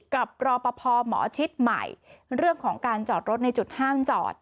รอปภหมอชิดใหม่เรื่องของการจอดรถในจุดห้ามจอด